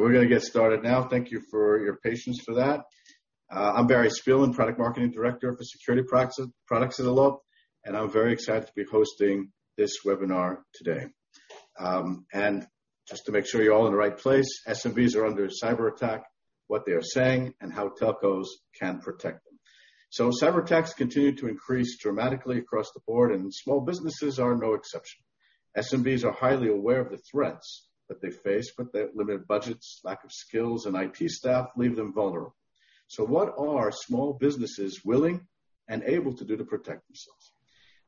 We're gonna get started now. Thank you for your patience for that. I'm Barry Spielman, Product Marketing Director for Security Products at Allot. I'm very excited to be hosting this webinar today. Just to make sure you're all in the right place. SMBs are under cyberattack, what they are saying, and how telcos can protect them. Cyberattacks continue to increase dramatically across the board, and small businesses are no exception. SMBs are highly aware of the threats that they face, but their limited budgets, lack of skills, and IT staff leave them vulnerable. What are small businesses willing and able to do to protect themselves?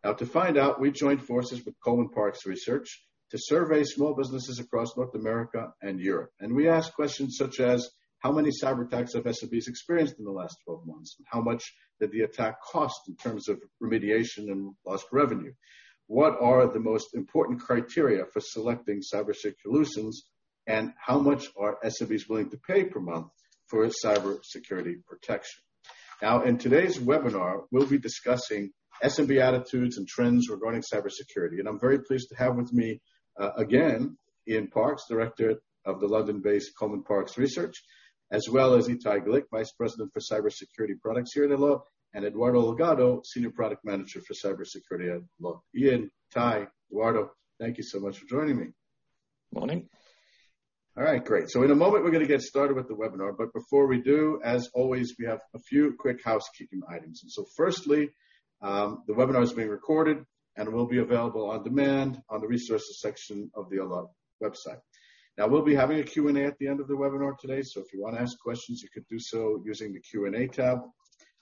Now, to find out, we joined forces with Coleman Parkes Research to survey small businesses across North America and Europe. We asked questions such as, how many cyberattacks have SMBs experienced in the last 12 months? How much did the attack cost in terms of remediation and lost revenue? What are the most important criteria for selecting cybersecurity solutions, and how much are SMBs willing to pay per month for cybersecurity protection? Now, in today's webinar, we'll be discussing SMB attitudes and trends regarding cybersecurity. I'm very pleased to have with me, again, Ian Parkes, Director of the London-based Coleman Parkes Research, as well as Itay Glick, Vice President for Cybersecurity Products here at Allot, and Eduardo Holgado, Senior Product Manager for Cybersecurity at Allot. Ian, Itay, Eduardo, thank you so much for joining me. Morning. All right, great. In a moment, we're gonna get started with the webinar. Before we do, as always, we have a few quick housekeeping items. Firstly, the webinar is being recorded and will be available on demand on the Resources section of the Allot website. Now, we'll be having a Q&A at the end of the webinar today, so if you wanna ask questions, you can do so using the Q&A tab,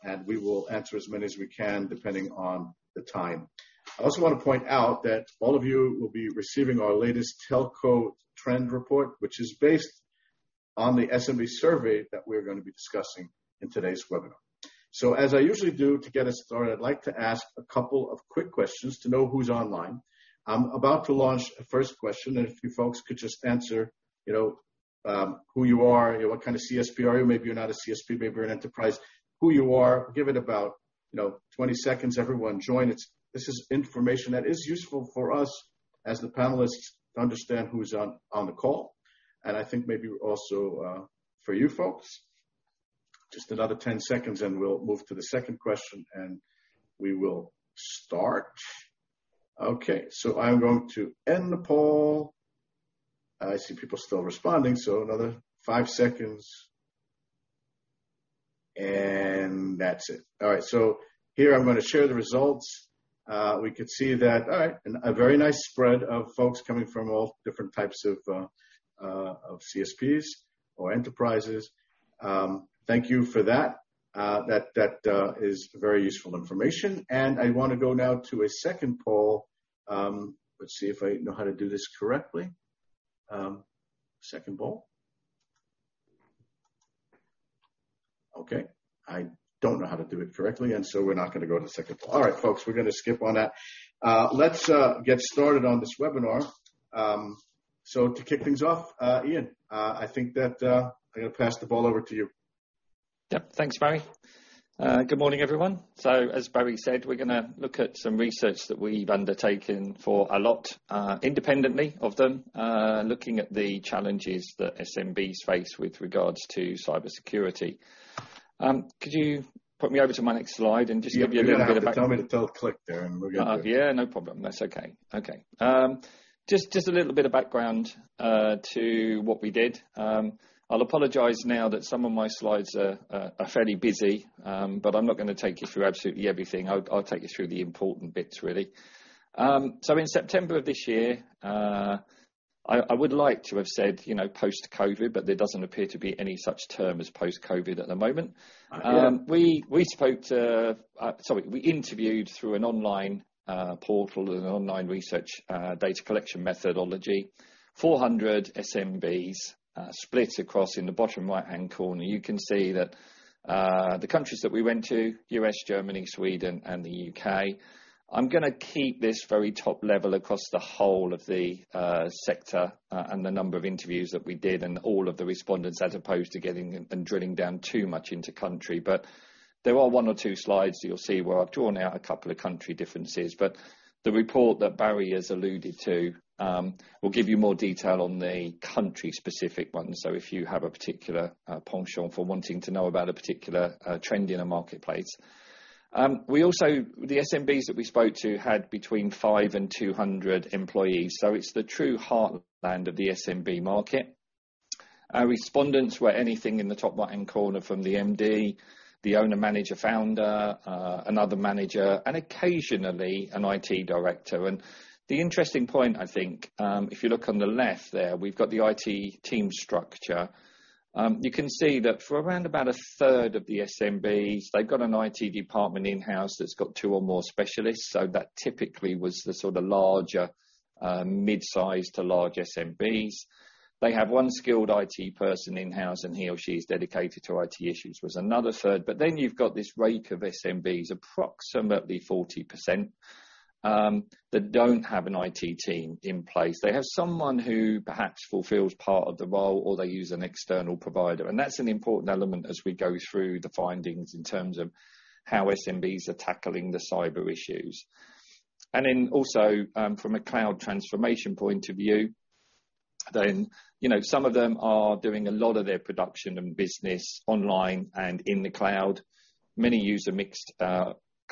and we will answer as many as we can, depending on the time. I also wanna point out that all of you will be receiving our latest Telco Trend Report, which is based on the SMB survey that we're gonna be discussing in today's webinar. As I usually do, to get us started, I'd like to ask a couple of quick questions to know who's online. I'm about to launch a first question, and if you folks could just answer, you know, who you are, what kind of CSP are you. Maybe you're not a CSP, maybe you're an enterprise. Who you are. Give it about, you know, 20 seconds, everyone join. This is information that is useful for us as the panelists to understand who's on the call, and I think maybe also for you folks. Just another 10 seconds, and we'll move to the second question, and we will start. Okay, I'm going to end the poll. I see people still responding, so another 5 seconds. That's it. All right, here I'm gonna share the results. We can see that. All right, a very nice spread of folks coming from all different types of CSPs or enterprises. Thank you for that. That is very useful information. I wanna go now to a second poll. Let's see if I know how to do this correctly. Second poll. Okay, I don't know how to do it correctly, we're not gonna go to the second poll. All right, folks, we're gonna skip on that. Let's get started on this webinar. To kick things off, Ian, I think that, I'm gonna pass the ball over to you. Yep. Thanks, Barry. Good morning, everyone. As Barry said, we're gonna look at some research that we've undertaken for Allot, independently of them, looking at the challenges that SMBs face with regards to cybersecurity. Could you put me over to my next slide and just give you a little bit of back- Yeah. I'm coming to double-click there, and we're good. Oh, yeah, no problem. That's okay. Okay. Just a little bit of background to what we did. I'll apologize now that some of my slides are fairly busy, but I'm not gonna take you through absolutely everything. I'll take you through the important bits, really. In September of this year, I would like to have said, you know, post-COVID, but there doesn't appear to be any such term as post-COVID at the moment. Not yet. We interviewed through an online portal and an online research data collection methodology, 400 SMBs, split across in the bottom right-hand corner. You can see that, the countries that we went to, U.S., Germany, Sweden, and the U.K. I'm gonna keep this very top level across the whole of the sector, and the number of interviews that we did and all of the respondents, as opposed to getting and drilling down too much into country. There are one or two slides you'll see where I've drawn out a couple of country differences. The report that Barry has alluded to, will give you more detail on the country specific ones. If you have a particular penchant for wanting to know about a particular trend in a marketplace. The SMBs that we spoke to had between 5 and 200 employees, so it's the true heartland of the SMB market. Our respondents were anything in the top right-hand corner from the MD, the owner, manager, founder, another manager, and occasionally an IT director. The interesting point, I think, if you look on the left there, we've got the IT team structure. You can see that for around about a third of the SMBs, they've got an IT department in-house that's got 2 or more specialists. That typically was the sort of larger, mid-size to large SMBs. They have 1 skilled IT person in-house, and he or she is dedicated to IT issues, was another third. Then you've got this rank of SMBs, approximately 40%, that don't have an IT team in place. They have someone who perhaps fulfills part of the role, or they use an external provider. That's an important element as we go through the findings in terms of how SMBs are tackling the cyber issues. Then also, from a cloud transformation point of view, then, you know, some of them are doing a lot of their production and business online and in the cloud. Many use a mixed,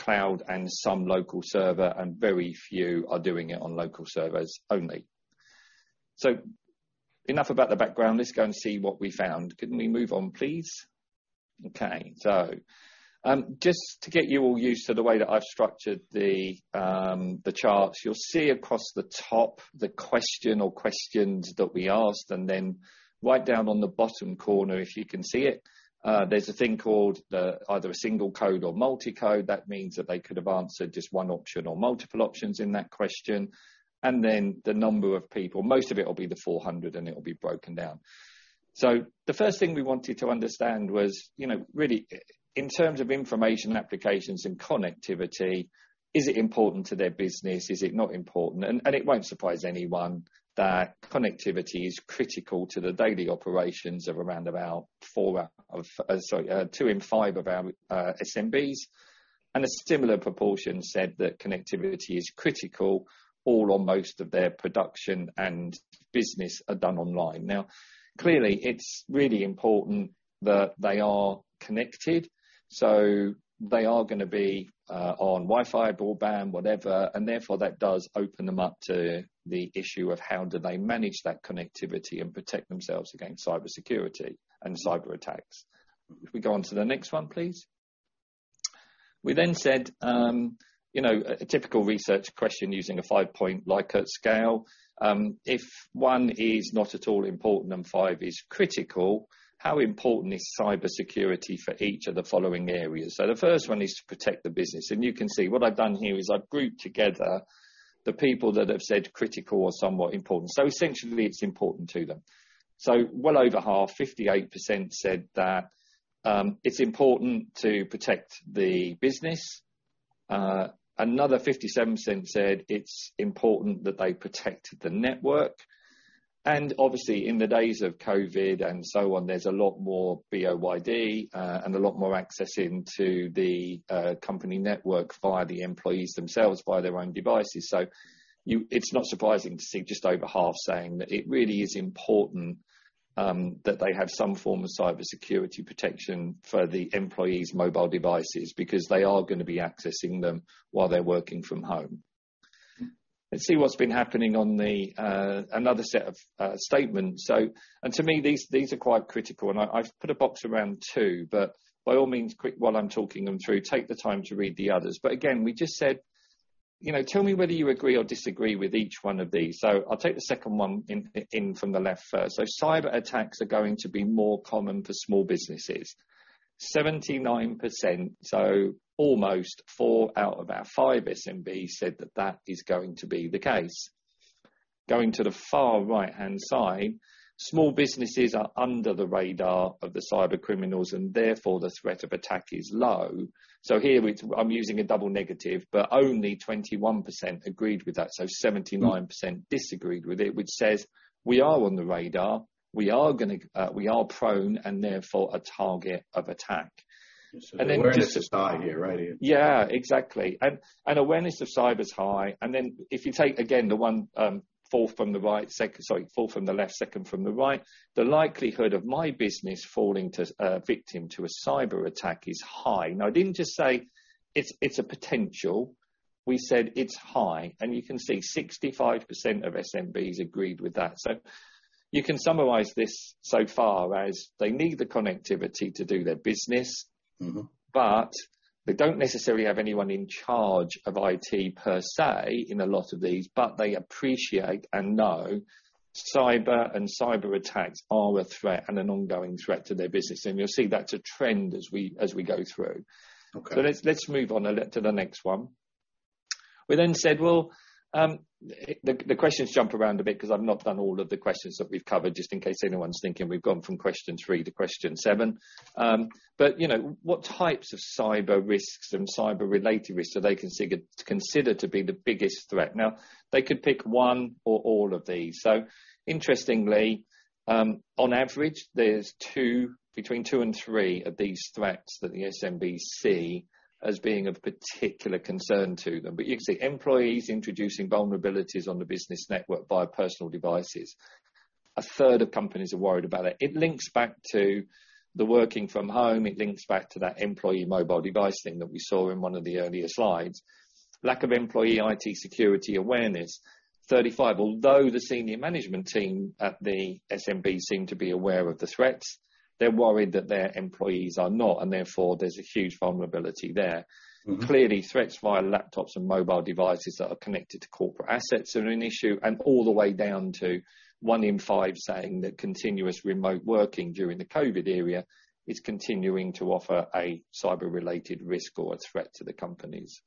cloud and some local server, and very few are doing it on local servers only. Enough about the background. Let's go and see what we found. Can we move on, please? Okay. Just to get you all used to the way that I've structured the charts, you'll see across the top the question or questions that we asked, and then right down on the bottom corner, if you can see it, there's a thing called the either a single code or multi-code. That means that they could have answered just one option or multiple options in that question. Then the number of people, most of it will be the 400, and it will be broken down. The first thing we wanted to understand was, you know, really in terms of information, applications, and connectivity, is it important to their business? Is it not important? It won't surprise anyone that connectivity is critical to the daily operations of around about 2 in 5 of our SMBs. A similar proportion said that connectivity is critical, all or most of their production and business are done online. Now, clearly, it's really important that they are connected, so they are gonna be on Wi-Fi, broadband, whatever. Therefore, that does open them up to the issue of how do they manage that connectivity and protect themselves against cybersecurity and cyberattacks. If we go on to the next one, please. We then said, you know, a typical research question using a five-point Likert scale, if one is not at all important and five is critical, how important is cybersecurity for each of the following areas? The first one is to protect the business. You can see what I've done here is I've grouped together the people that have said critical or somewhat important. Essentially it's important to them. Well over half, 58% said that it's important to protect the business. Another 57% said it's important that they protect the network. Obviously, in the days of COVID and so on, there's a lot more BYOD and a lot more access into the company network via the employees themselves via their own devices. It's not surprising to see just over half saying that it really is important that they have some form of cybersecurity protection for the employees' mobile devices because they are gonna be accessing them while they're working from home. Let's see what's been happening on another set of statements. To me, these are quite critical and I've put a box around two, but by all means while I'm talking them through, take the time to read the others. Again, we just said, you know, tell me whether you agree or disagree with each one of these. I'll take the second one in from the left first. Cyberattacks are going to be more common for small businesses. 79%, so almost 4 out of 5 SMBs said that that is going to be the case. Going to the far right-hand side, small businesses are under the radar of the cybercriminals and therefore the threat of attack is low. Here it's. I'm using a double negative, but only 21% agreed with that. 79% disagreed with it, which says, we are on the radar. We are gonna, we are prone, and therefore a target of attack. The awareness is high here, right? Yeah, exactly. Awareness of cyber is high. Then if you take again the one, fourth from the left, second from the right, the likelihood of my business falling victim to a cyberattack is high. Now, I didn't just say it's a potential. We said it's high. You can see 65% of SMBs agreed with that. You can summarize this so far as they need the connectivity to do their business. They don't necessarily have anyone in charge of IT per se in a lot of these, but they appreciate and know cyber and cyberattacks are a threat and an ongoing threat to their business. You'll see that's a trend as we go through. Okay. Let's move on to the next one. We then said, well, the questions jump around a bit 'cause I've not done all of the questions that we've covered just in case anyone's thinking we've gone from question three to question seven. You know, what types of cyber risks and cyber-related risks do they consider to be the biggest threat? Now, they could pick one or all of these. Interestingly, on average, there's two, between two and three of these threats that the SMBs see as being of particular concern to them. You can see employees introducing vulnerabilities on the business network via personal devices. A third of companies are worried about it. It links back to the working from home. It links back to that employee mobile device thing that we saw in one of the earlier slides. Lack of employee IT security awareness, 35%. Although the senior management team at the SMB seem to be aware of the threats, they're worried that their employees are not, and therefore there's a huge vulnerability there. Clearly, threats via laptops and mobile devices that are connected to corporate assets are an issue and all the way down to one in five saying that continuous remote working during the COVID era is continuing to offer a cyber-related risk or a threat to the companies.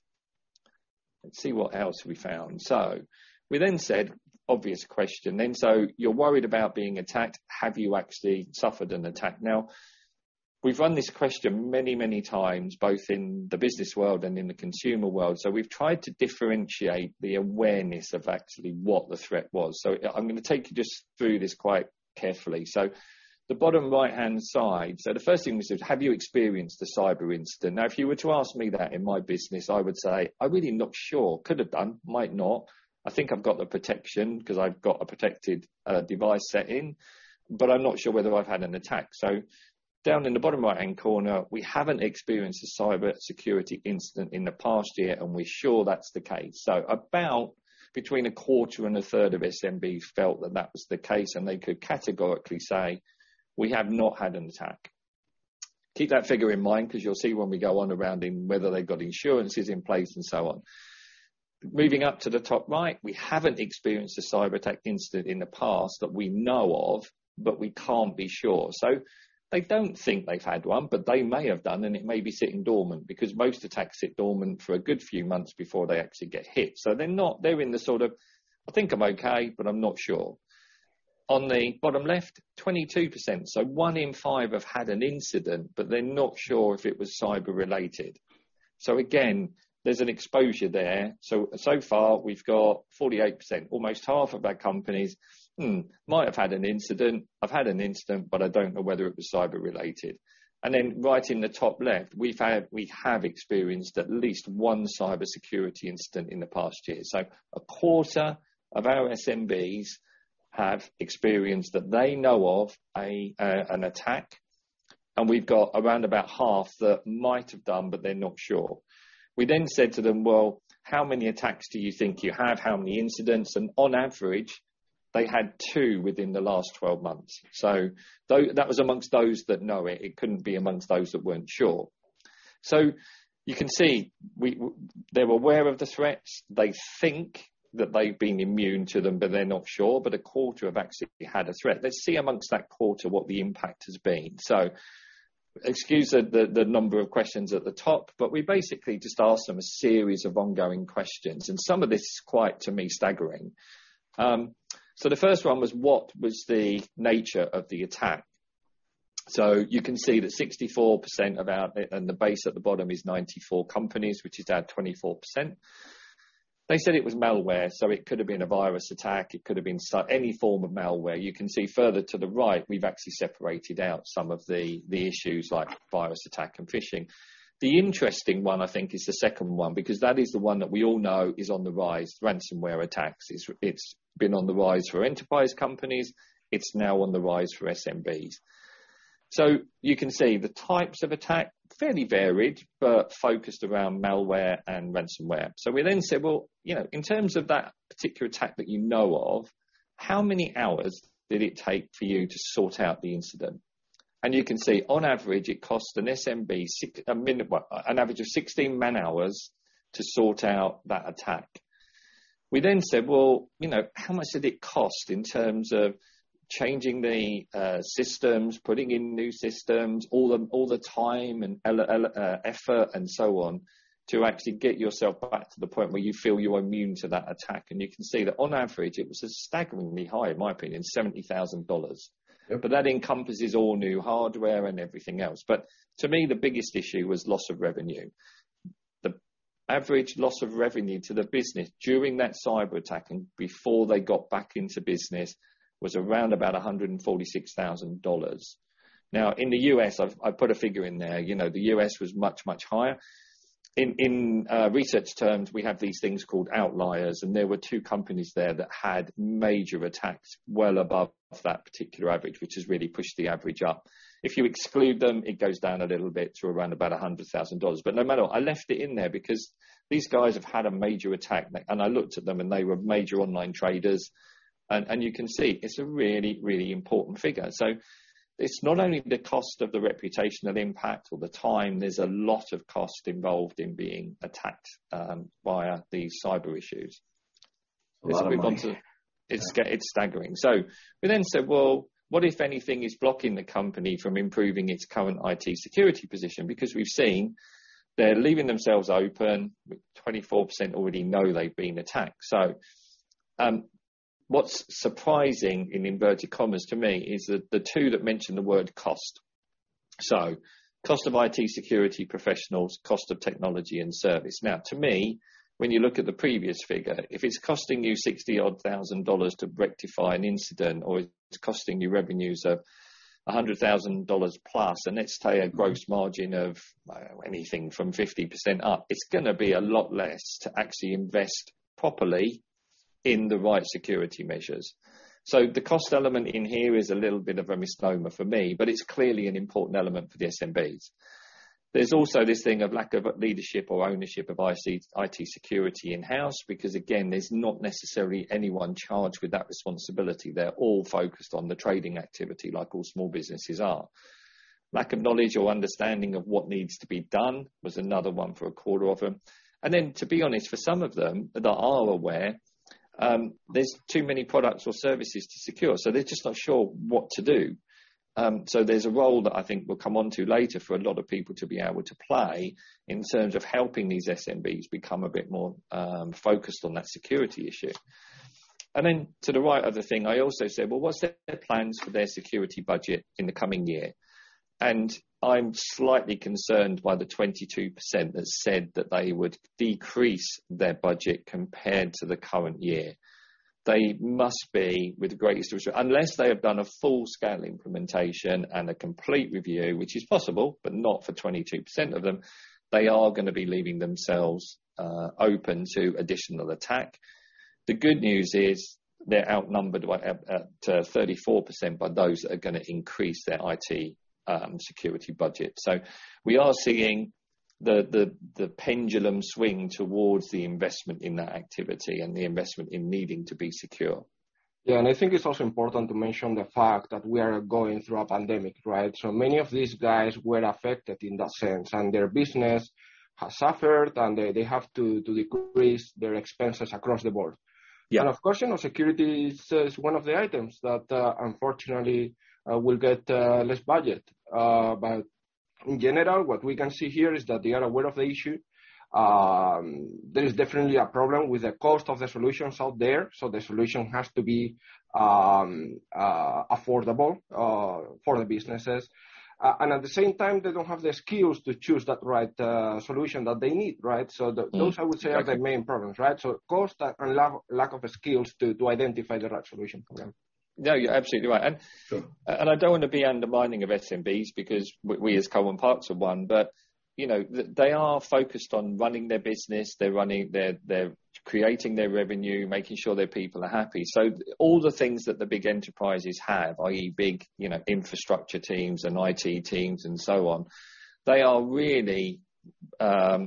Let's see what else we found. We then said, obvious question then, you're worried about being attacked, have you actually suffered an attack? Now we've run this question many, many times, both in the business world and in the consumer world. We've tried to differentiate the awareness of actually what the threat was. I'm gonna take you just through this quite carefully. The bottom right-hand side. The first thing is have you experienced a cyber incident? Now, if you were to ask me that in my business, I would say, "I'm really not sure. Could have done, might not. I think I've got the protection 'cause I've got a protected device setting, but I'm not sure whether I've had an attack." Down in the bottom right-hand corner, we haven't experienced a cybersecurity incident in the past year, and we're sure that's the case. About between a quarter and a third of SMB felt that that was the case, and they could categorically say, "We have not had an attack." Keep that figure in mind 'cause you'll see when we go on around in whether they've got insurances in place and so on. Moving up to the top right. We haven't experienced a cyberattack incident in the past that we know of, but we can't be sure. They don't think they've had one, but they may have done, and it may be sitting dormant because most attacks sit dormant for a good few months before they actually get hit. They're in the sort of, "I think I'm okay, but I'm not sure." On the bottom left, 22%, so one in five have had an incident, but they're not sure if it was cyber-related. Again, there's an exposure there. So far, we've got 48%, almost half of our companies, might have had an incident. I've had an incident, but I don't know whether it was cyber-related. Then right in the top left, we have experienced at least one cybersecurity incident in the past year. A quarter of our SMBs have experienced that they know of an attack, and we've got around about half that might have done, but they're not sure. We then said to them, "Well, how many attacks do you think you have? How many incidents?" On average, they had 2 within the last 12 months. That was amongst those that know it. It couldn't be amongst those that weren't sure. You can see they're aware of the threats. They think that they've been immune to them, but they're not sure. A quarter have actually had a threat. Let's see amongst that quarter what the impact has been. Excuse the number of questions at the top, but we basically just asked them a series of ongoing questions and some of this is quite, to me, staggering. The first one was what was the nature of the attack. You can see that 64% about, and the base at the bottom is 94 companies, which is that 24%. They said it was malware, so it could have been a virus attack. It could have been any form of malware. You can see further to the right. We've actually separated out some of the issues like virus attack and phishing. The interesting one, I think, is the second one, because that is the one that we all know is on the rise, ransomware attacks. It's been on the rise for enterprise companies. It's now on the rise for SMBs. You can see the types of attack, fairly varied, but focused around malware and ransomware. We then said, "Well, you know, in terms of that particular attack that you know of, how many hours did it take for you to sort out the incident?" You can see on average it cost an SMB an average of 16 man-hours to sort out that attack. We then said, "Well, you know, how much did it cost in terms of changing the systems, putting in new systems, all the time and effort and so on to actually get yourself back to the point where you feel you're immune to that attack?" You can see that on average it was a staggeringly high, in my opinion, $70,000. That encompasses all new hardware and everything else. To me, the biggest issue was loss of revenue. The average loss of revenue to the business during that cyberattack and before they got back into business was around about $146,000. Now in the U.S., I've put a figure in there. You know, the U.S. was much, much higher. In research terms, we have these things called outliers, and there were 2 companies there that had major attacks well above that particular average, which has really pushed the average up. If you exclude them, it goes down a little bit to around about $100,000. But no matter, I left it in there because these guys have had a major attack. You can see it's a really, really important figure. It's not only the cost of the reputational impact or the time, there's a lot of cost involved in being attacked via these cyber issues. A lot of money. Let's move on to. It's staggering. We then said, "Well, what, if anything, is blocking the company from improving its current IT security position?" Because we've seen they're leaving themselves open. 24% already know they've been attacked. What's surprising in inverted commas to me is that the two that mention the word cost. Cost of IT security professionals, cost of technology and service. Now, to me, when you look at the previous figure, if it's costing you $60,000 to rectify an incident or it's costing you revenues of $100,000 plus, and let's say a gross margin of anything from 50% up, it's gonna be a lot less to actually invest properly in the right security measures. The cost element in here is a little bit of a misnomer for me, but it's clearly an important element for the SMBs. There's also this thing of lack of leadership or ownership of IT security in-house because again, there's not necessarily anyone charged with that responsibility. They're all focused on the trading activity like all small businesses are. Lack of knowledge or understanding of what needs to be done was another one for a quarter of them. To be honest, for some of them that are aware, there's too many products or services to secure, so they're just not sure what to do. There's a role that I think we'll come onto later for a lot of people to be able to play in terms of helping these SMBs become a bit more focused on that security issue. Then the other thing, I also said, "Well, what's their plans for their security budget in the coming year?" I'm slightly concerned by the 22% that said that they would decrease their budget compared to the current year. They must be, with the greatest of respect, unless they have done a full-scale implementation and a complete review, which is possible, but not for 22% of them, they are gonna be leaving themselves open to additional attack. The good news is they're outnumbered by at 34% by those that are gonna increase their IT security budget. We are seeing the pendulum swing towards the investment in that activity and the investment in needing to be secure. Yeah, I think it's also important to mention the fact that we are going through a pandemic, right? Many of these guys were affected in that sense, and their business has suffered, and they have to decrease their expenses across the board. Yeah. Of course, you know, security is one of the items that unfortunately will get less budget. In general, what we can see here is that they are aware of the issue. There is definitely a problem with the cost of the solutions out there, so the solution has to be affordable for the businesses. At the same time, they don't have the skills to choose that right solution that they need, right? Those I would say are the main problems, right? Cost and lack of skills to identify the right solution for them. No, you're absolutely right. Sure. I don't wanna be undermining of SMBs because we as Coleman Parkes are one, but, you know, they are focused on running their business, They're creating their revenue, making sure their people are happy. All the things that the big enterprises have, i.e., big, you know, infrastructure teams and IT teams and so on, they are really,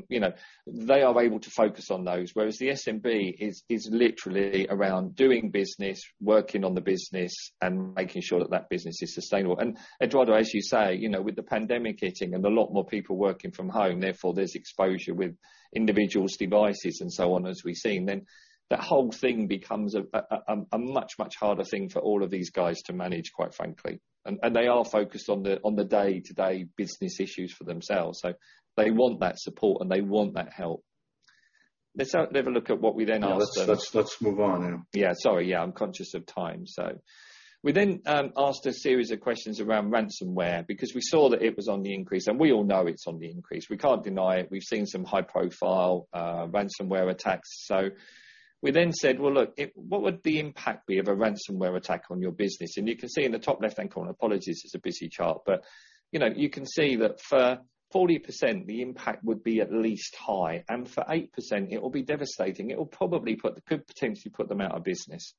you know, they are able to focus on those. Whereas the SMB is literally around doing business, working on the business, and making sure that that business is sustainable. Eduardo, as you say, you know, with the pandemic hitting and a lot more people working from home, therefore, there's exposure with individuals' devices and so on, as we've seen, then the whole thing becomes a much, much harder thing for all of these guys to manage, quite frankly. They are focused on the day-to-day business issues for themselves. They want that support and they want that help. Let's have a look at what we then asked them. Yeah. Let's move on now. Yeah. Sorry. Yeah. I'm conscious of time. We then asked a series of questions around ransomware because we saw that it was on the increase, and we all know it's on the increase. We can't deny it. We've seen some high-profile ransomware attacks. We then said, "Well, look, what would the impact be of a ransomware attack on your business?" You can see in the top left-hand corner. Apologies, it's a busy chart, but you know, you can see that for 40%, the impact would be at least high, and for 8%, it will be devastating. It will probably put the business out of business. It could potentially put them out of business.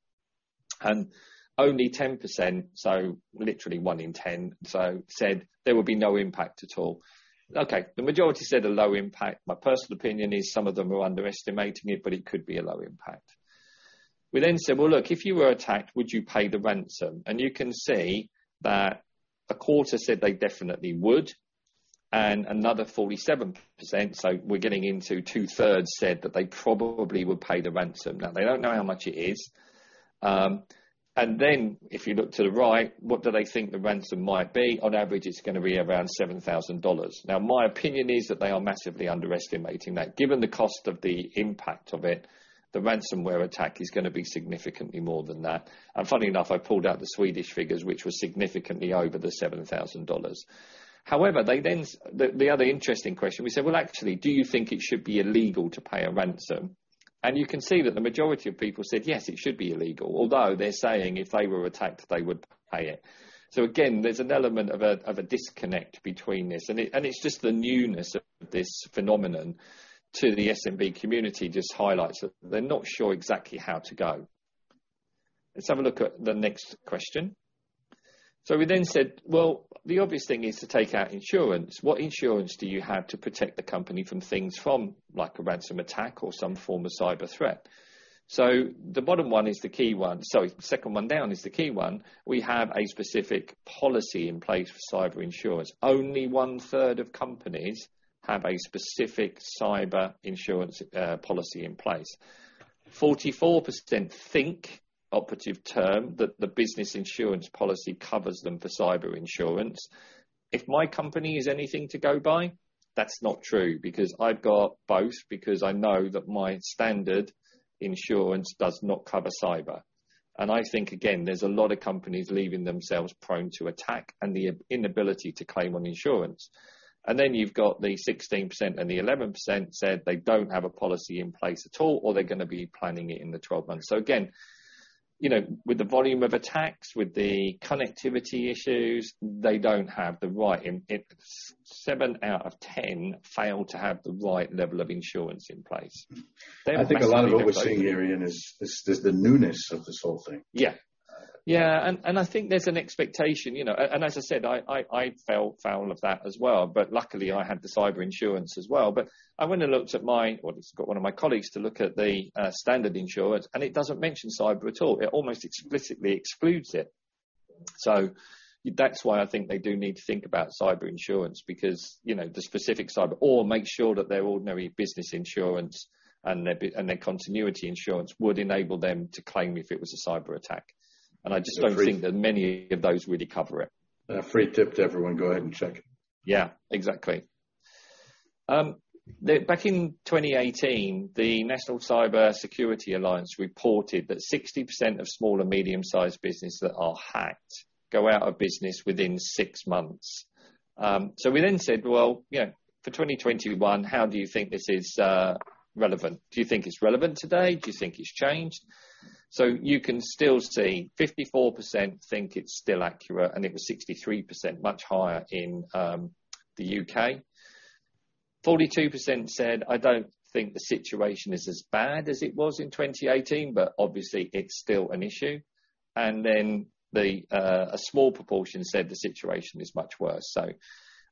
Only 10%, so literally one in ten said there would be no impact at all. Okay. The majority said a low impact. My personal opinion is some of them are underestimating it, but it could be a low impact. We then said, "Well, look, if you were attacked, would you pay the ransom?" You can see that 25% said they definitely would, and another 47%, so we're getting into two-thirds, said that they probably would pay the ransom. Now, they don't know how much it is. If you look to the right, what do they think the ransom might be? On average, it's gonna be around $7,000. Now, my opinion is that they are massively underestimating that. Given the cost of the impact of it, the ransomware attack is gonna be significantly more than that. Funny enough, I pulled out the Swedish figures, which were significantly over the $7,000. However, the other interesting question, we said, "Well, actually, do you think it should be illegal to pay a ransom?" You can see that the majority of people said, yes, it should be illegal. Although they're saying if they were attacked, they would pay it. Again, there's an element of a disconnect between this and it, and it's just the newness of this phenomenon to the SMB community just highlights that they're not sure exactly how to go. Let's have a look at the next question. We then said, "Well, the obvious thing is to take out insurance. What insurance do you have to protect the company from things like a ransom attack or some form of cyber threat?" The bottom one is the key one. Sorry, second one down is the key one. We have a specific policy in place for cyber insurance. Only 1/3 of companies have a specific cyber insurance policy in place. 44% think, operative term, that the business insurance policy covers them for cyber insurance. If my company is anything to go by, that's not true, because I've got both, because I know that my standard insurance does not cover cyber. I think, again, there's a lot of companies leaving themselves prone to attack and the inability to claim on insurance. Then you've got the 16% and the 11% said they don't have a policy in place at all, or they're gonna be planning it in the 12 months. Again, you know, with the volume of attacks, with the connectivity issues, 7 out of 10 fail to have the right level of insurance in place. They're massively over. I think a lot of what we're seeing here, Ian, is the newness of this whole thing. I think there's an expectation, you know. As I said, I fell foul of that as well, but luckily I had the cyber insurance as well. Well, just got one of my colleagues to look at the standard insurance, and it doesn't mention cyber at all. It almost explicitly excludes it. That's why I think they do need to think about cyber insurance because, you know, the specific cyber or make sure that their ordinary business insurance and their continuity insurance would enable them to claim if it was a cyberattack. I just don't think that many of those really cover it. A free tip to everyone, go ahead and check. Yeah, exactly. Back in 2018, the National Cybersecurity Alliance reported that 60% of small and medium-sized businesses that are hacked go out of business within 6 months. We then said, well, you know, for 2021, how do you think this is relevant? Do you think it's relevant today? Do you think it's changed? You can still see 54% think it's still accurate, and it was 63% much higher in the U.K. 42% said, "I don't think the situation is as bad as it was in 2018, but obviously it's still an issue." A small proportion said the situation is much worse.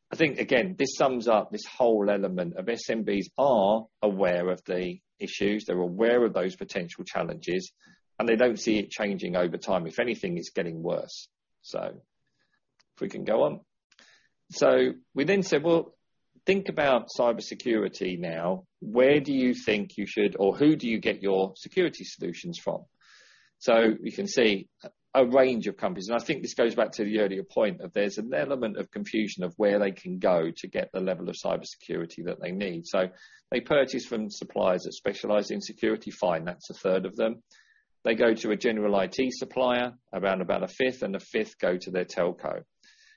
I think again, this sums up this whole element of SMBs are aware of the issues, they're aware of those potential challenges, and they don't see it changing over time. If anything, it's getting worse. If we can go on. We then said, "Well, think about cybersecurity now. Where do you think you should, or who do you get your security solutions from?" You can see a range of companies, and I think this goes back to the earlier point of there's an element of confusion of where they can go to get the level of cybersecurity that they need. They purchase from suppliers that specialize in security, fine, that's a third of them. They go to a general IT supplier around about a fifth, and a fifth go to their telco.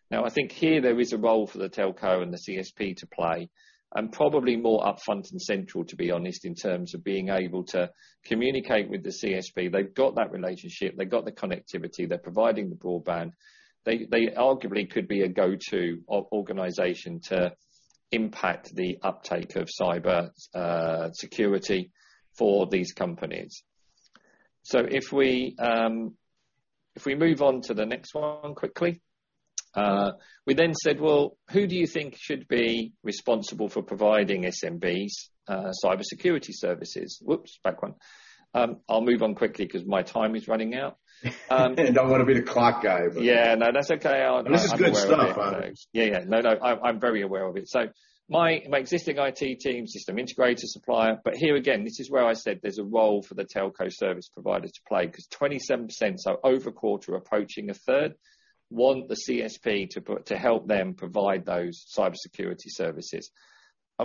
Now, I think here there is a role for the telco and the CSP to play, and probably more upfront and central, to be honest, in terms of being able to communicate with the CSP. They've got that relationship, they've got the connectivity, they're providing the broadband. They arguably could be a go-to organization to impact the uptake of cybersecurity for these companies. If we move on to the next one quickly. We then said, "Well, who do you think should be responsible for providing SMBs cybersecurity services?" Whoops, back one. I'll move on quickly 'cause my time is running out. I don't wanna be the clock guy, but. Yeah. No, that's okay. This is good stuff. Yeah, yeah. No, no, I'm very aware of it. My existing IT team, system integrator supplier. Here again, this is where I said there's a role for the telco service provider to play, 'cause 27%, so over a quarter approaching a third, want the CSP to help them provide those cybersecurity services.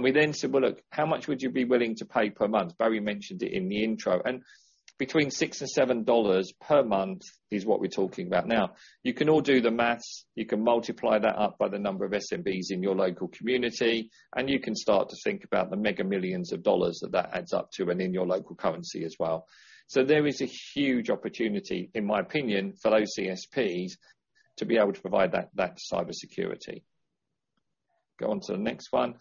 We then said, "Well, look, how much would you be willing to pay per month?" Barry mentioned it in the intro, and between $6 and $7 per month is what we're talking about now. You can all do the math, you can multiply that up by the number of SMBs in your local community, and you can start to think about the mega millions of dollars that that adds up to and in your local currency as well. There is a huge opportunity, in my opinion, for those CSPs to be able to provide that cybersecurity. Go on to the next one.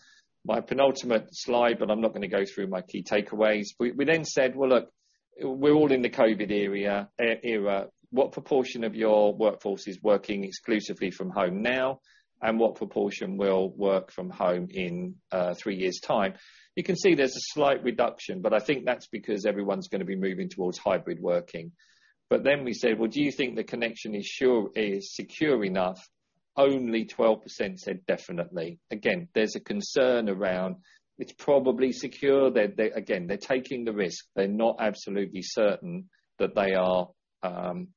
My penultimate slide, but I'm not gonna go through my key takeaways. We then said, "Well, look, we're all in the COVID era. What proportion of your workforce is working exclusively from home now? And what proportion will work from home in three years time?" You can see there's a slight reduction, but I think that's because everyone's gonna be moving towards hybrid working. Then we said, "Well, do you think the connection is secure enough?" Only 12% said definitely. Again, there's a concern around it's probably secure. Again, they're taking the risk. They're not absolutely certain that they are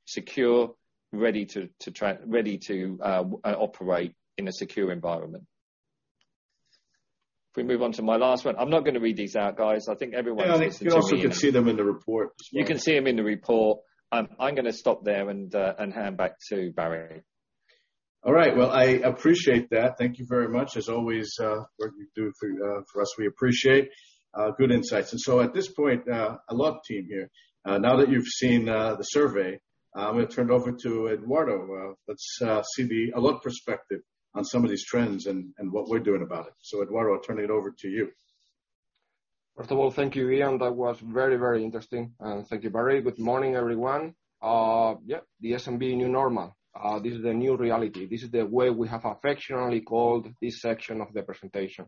secure, ready to try. Ready to operate in a secure environment. If we move on to my last one. I'm not gonna read these out, guys. I think everyone- Yeah. You also can see them in the report as well. You can see them in the report. I'm gonna stop there and hand back to Barry. All right. Well, I appreciate that. Thank you very much. As always, what you do for us, we appreciate good insights. At this point, Allot team here, now that you've seen the survey, I'm gonna turn it over to Eduardo. Let's see the Allot perspective on some of these trends and what we're doing about it. Eduardo, I'll turn it over to you. First of all, thank you, Ian. That was very, very interesting. Thank you, Barry. Good morning, everyone. The SMB new normal. This is the new reality. This is the way we have affectionately called this section of the presentation.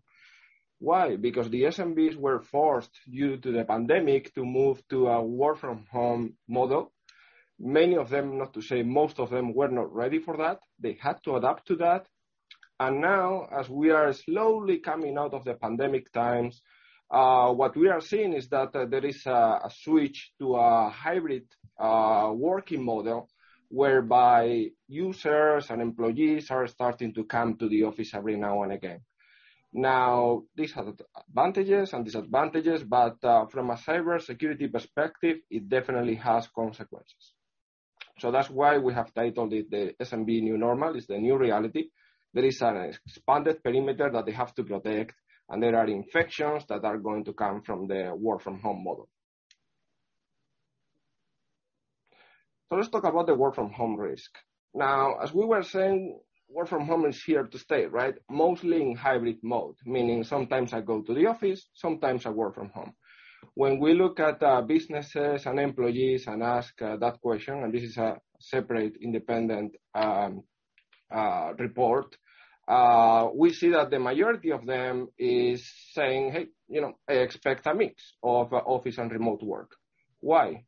Why? Because the SMBs were forced due to the pandemic to move to a work from home model. Many of them, not to say most of them, were not ready for that. They had to adapt to that. Now as we are slowly coming out of the pandemic times, what we are seeing is that there is a switch to a hybrid working model, whereby users and employees are starting to come to the office every now and again. This has advantages and disadvantages, but from a cybersecurity perspective, it definitely has consequences. That's why we have titled it the SMB New Normal, it's the new reality. There is an expanded perimeter that they have to protect, and there are infections that are going to come from the work from home model. Let's talk about the work from home risk. Now, as we were saying, work from home is here to stay, right? Mostly in hybrid mode, meaning sometimes I go to the office, sometimes I work from home. When we look at businesses and employees and ask that question, and this is a separate independent report, we see that the majority of them is saying, "Hey, you know, I expect a mix of office and remote work." Why?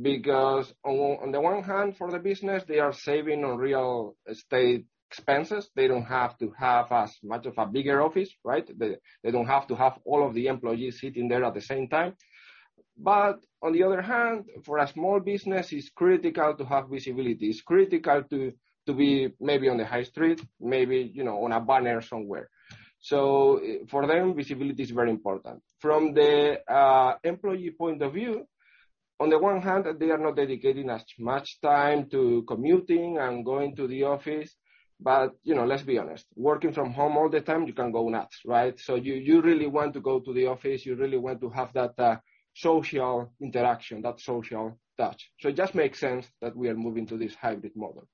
Because on the one hand, for the business, they are saving on real estate expenses. They don't have to have as much of a bigger office, right? They don't have to have all of the employees sitting there at the same time. On the other hand, for a small business, it's critical to have visibility. It's critical to be maybe on the high street, maybe, you know, on a banner somewhere. For them, visibility is very important. From the employee point of view, on the one hand, they are not dedicating as much time to commuting and going to the office. You know, let's be honest, working from home all the time, you can go nuts, right? You really want to go to the office, you really want to have that social interaction, that social touch. It just makes sense that we are moving to this hybrid model.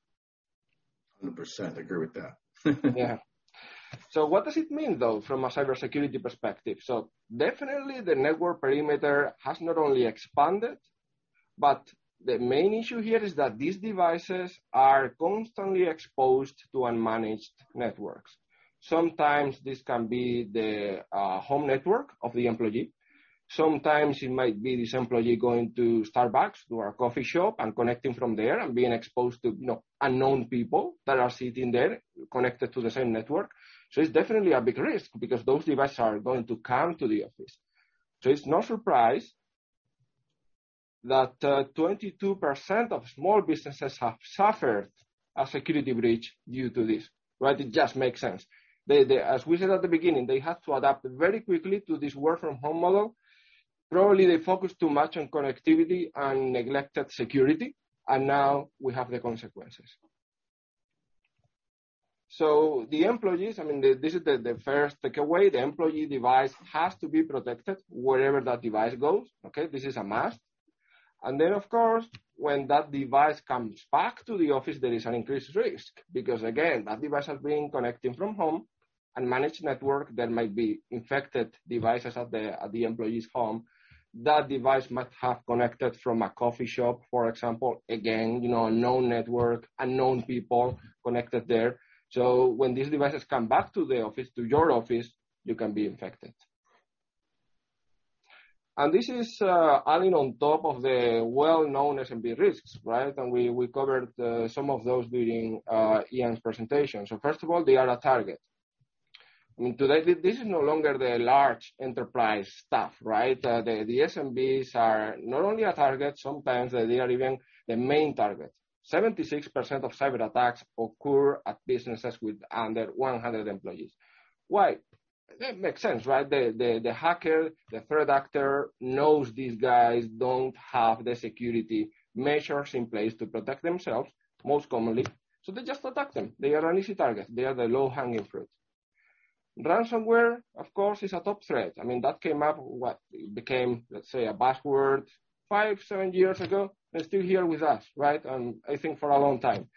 100% agree with that. Yeah. What does it mean, though, from a cybersecurity perspective? Definitely the network perimeter has not only expanded, but the main issue here is that these devices are constantly exposed to unmanaged networks. Sometimes this can be the home network of the employee. Sometimes it might be this employee going to Starbucks or a coffee shop and connecting from there and being exposed to, you know, unknown people that are sitting there connected to the same network. It's definitely a big risk because those devices are going to come to the office. It's no surprise that 22% of small businesses have suffered a security breach due to this, right? It just makes sense. As we said at the beginning, they have to adapt very quickly to this work from home model. Probably they focus too much on connectivity and neglected security, and now we have the consequences. The employees, I mean, this is the first takeaway. The employee device has to be protected wherever that device goes, okay? This is a must. Then, of course, when that device comes back to the office, there is an increased risk because, again, that device has been connecting from home, unmanaged network, there might be infected devices at the employee's home. That device might have connected from a coffee shop, for example. Again, you know, unknown network, unknown people connected there. When these devices come back to the office, to your office, you can be infected. This is adding on top of the well-known SMB risks, right? We covered some of those during Ian's presentation. First of all, they are a target. I mean, today this is no longer the large enterprise stuff, right? The SMBs are not only a target, sometimes they are even the main target. 76% of cyberattacks occur at businesses with under 100 employees. Why? It makes sense, right? The hacker, the threat actor knows these guys don't have the security measures in place to protect themselves, most commonly, so they just attack them. They are an easy target. They are the low-hanging fruit. Ransomware, of course, is a top threat. I mean, that came up, what? Became, let's say, a buzzword 5-7 years ago, and still here with us, right? I think for a long time.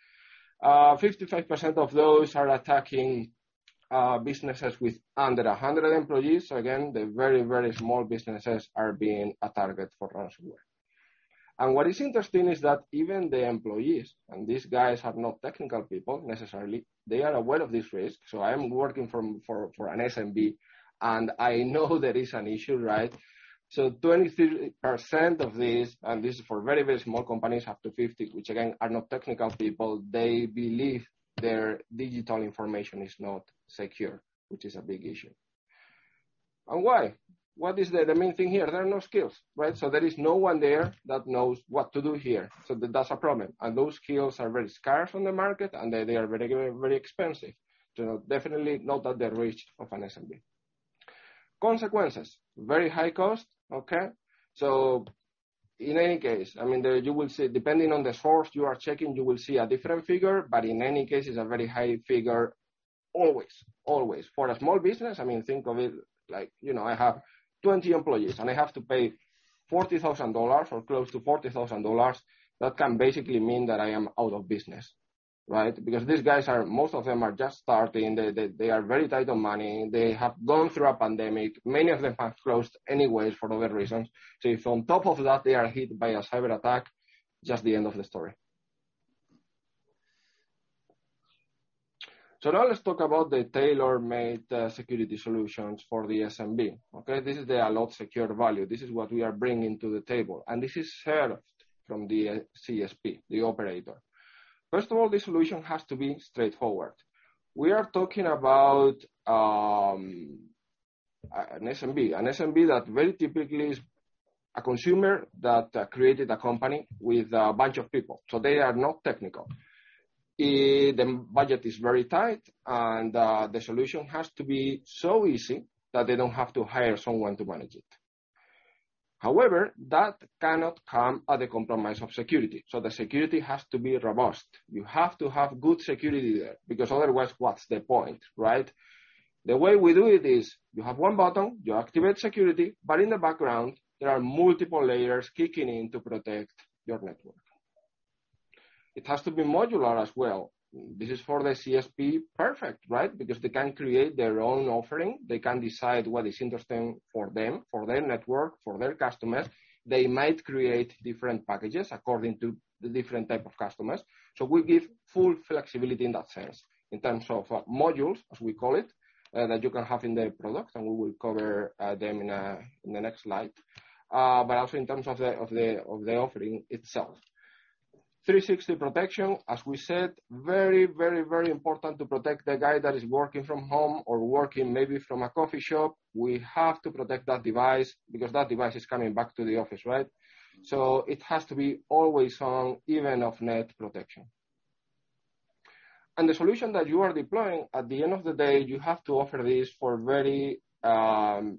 55% of those are attacking businesses with under 100 employees. Again, the very, very small businesses are being a target for ransomware. What is interesting is that even the employees, and these guys are not technical people necessarily, they are aware of this risk. I'm working for an SMB, and I know there is an issue, right? 23% of these, and this is for very, very small companies up to 50, which again, are not technical people, they believe their digital information is not secure, which is a big issue. Why? What is the main thing here? There are no skills, right? That's a problem. Those skills are very scarce on the market, and they are very, very expensive. Definitely not at the reach of an SMB. Consequences. Very high cost, okay? In any case, I mean, you will see, depending on the source you are checking, you will see a different figure, but in any case, it's a very high figure always. Always. For a small business, I mean, think of it like, you know, I have 20 employees, and I have to pay $40,000 or close to $40,000, that can basically mean that I am out of business, right? Because these guys are, most of them are just starting. They are very tight on money. They have gone through a pandemic. Many of them have closed anyways for other reasons. If on top of that, they are hit by a cyberattack, just the end of the story. Now let's talk about the tailor-made security solutions for the SMB, okay? This is the Allot Secure Value. This is what we are bringing to the table, and this is served from the CSP, the operator. First of all, the solution has to be straightforward. We are talking about an SMB that very typically is a consumer that created a company with a bunch of people. They are not technical. The budget is very tight, and the solution has to be so easy that they don't have to hire someone to manage it. However, that cannot come at the compromise of security. The security has to be robust. You have to have good security there, because otherwise, what's the point, right? The way we do it is you have one button, you activate security, but in the background there are multiple layers kicking in to protect your network. It has to be modular as well. This is for the CSP, perfect, right? Because they can create their own offering. They can decide what is interesting for them, for their network, for their customers. They might create different packages according to the different type of customers. We give full flexibility in that sense, in terms of modules, as we call it, that you can have in the products, and we will cover them in the next slide. But also in terms of the offering itself. 360 protection, as we said, very important to protect the guy that is working from home or working maybe from a coffee shop. We have to protect that device because that device is coming back to the office, right? It has to be always on, even off-net protection. The solution that you are deploying, at the end of the day, you have to offer this for very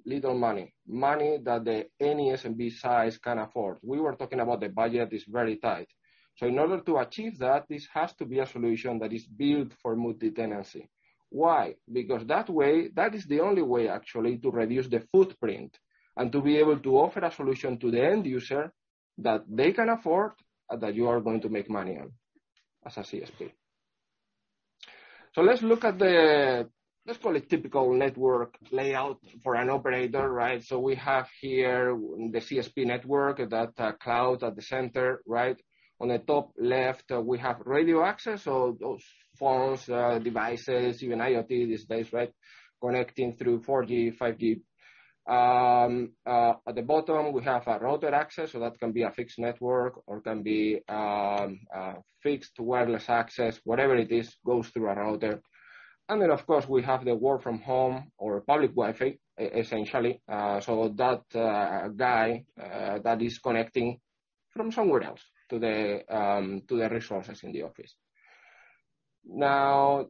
little money. Money that any SMB size can afford. We were talking about the budget is very tight. In order to achieve that, this has to be a solution that is built for multi-tenancy. Why? Because that way, that is the only way actually to reduce the footprint and to be able to offer a solution to the end user that they can afford, and that you are going to make money on as a CSP. Let's look at the, let's call it typical network layout for an operator, right? We have here the CSP network, that cloud at the center, right? On the top left, we have radio access. Those phones, devices, even IoT these days, right? Connecting through 4G, 5G. At the bottom, we have a router access. That can be a fixed network or can be a fixed wireless access. Whatever it is, goes through a router. Of course, we have the work from home or public Wi-Fi essentially. That guy that is connecting from somewhere else to the resources in the office. Now,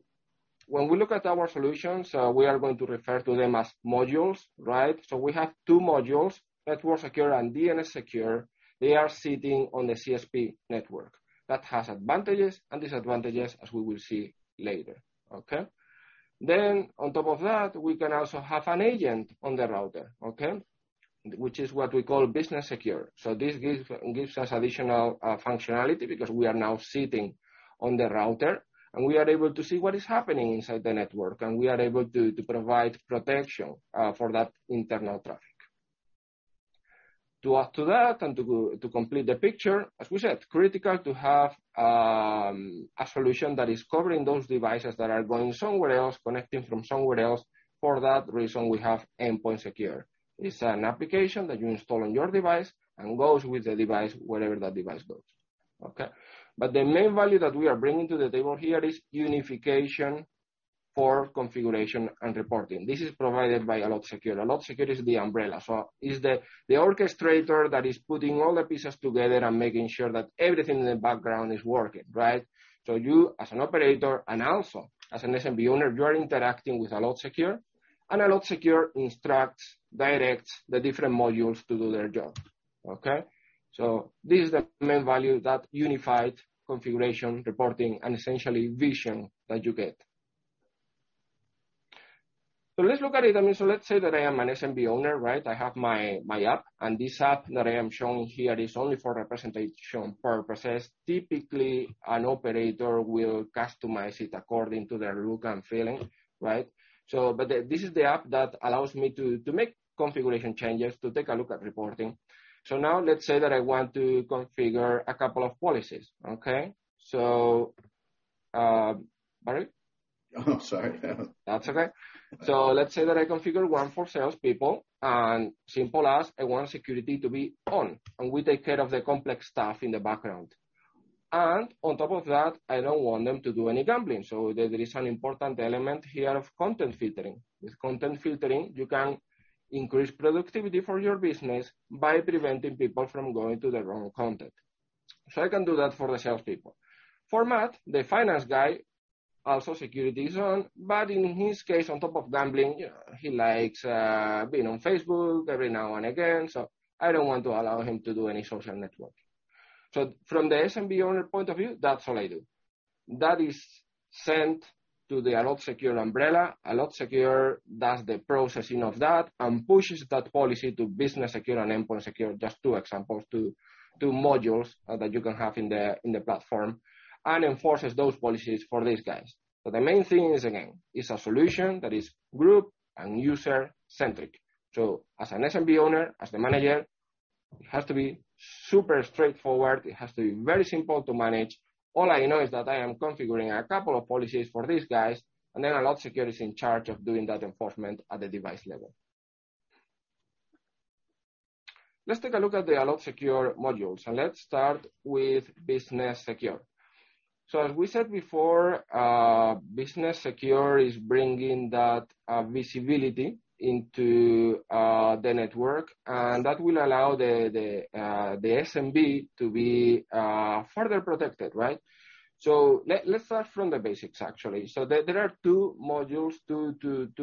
when we look at our solutions, we are going to refer to them as modules, right? We have two modules, NetworkSecure and DNSSecure. They are sitting on the CSP network. That has advantages and disadvantages, as we will see later. Okay? On top of that, we can also have an agent on the router, okay? Which is what we call BusinessSecure. This gives us additional functionality because we are now sitting on the router, and we are able to see what is happening inside the network, and we are able to provide protection for that internal traffic. To add to that and to complete the picture, as we said, it's critical to have a solution that is covering those devices that are going somewhere else, connecting from somewhere else. For that reason, we have EndpointSecure. It's an application that you install on your device and goes with the device wherever that device goes. Okay. The main value that we are bringing to the table here is unification for configuration and reporting. This is provided by Allot Secure. Allot Secure is the umbrella. It's the orchestrator that is putting all the pieces together and making sure that everything in the background is working, right? You, as an operator and also as an SMB owner, you are interacting with Allot Secure. Allot Secure instructs, directs the different modules to do their job. Okay? This is the main value that unified configuration, reporting, and essentially vision that you get. Let's look at it. I mean, let's say that I am an SMB owner, right? I have my app. This app that I am showing here is only for representation purposes. Typically, an operator will customize it according to their look and feeling, right? This is the app that allows me to make configuration changes, to take a look at reporting. Now let's say that I want to configure a couple of policies, okay? Barry? Oh, sorry. That's okay. Let's say that I configure one for salespeople and simple as I want security to be on, and we take care of the complex stuff in the background. On top of that, I don't want them to do any gambling. There is an important element here of content filtering. With content filtering, you can increase productivity for your business by preventing people from going to the wrong content. I can do that for the salespeople. For Matt, the finance guy, also security is on, but in his case, on top of gambling, he likes, being on Facebook every now and again. I don't want to allow him to do any social networking. From the SMB owner point of view, that's all I do. That is sent to the Allot Secure umbrella. Allot Secure does the processing of that and pushes that policy to BusinessSecure and Endpoint Secure, just two examples, two modules that you can have in the platform, and enforces those policies for these guys. The main thing is, again, it's a solution that is group and user-centric. As an SMB owner, as the manager, it has to be super straightforward. It has to be very simple to manage. All I know is that I am configuring a couple of policies for these guys, and then Allot Secure is in charge of doing that enforcement at the device level. Let's take a look at the Allot Secure modules. Let's start with BusinessSecure. As we said before, BusinessSecure is bringing that visibility into the network, and that will allow the SMB to be further protected, right? Let's start from the basics, actually. There are two